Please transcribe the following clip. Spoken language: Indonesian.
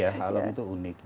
alam itu kan unik ya